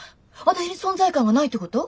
私に存在感がないってこと？